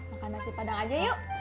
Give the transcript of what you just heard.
makan nasi padang aja yuk